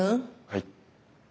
はい。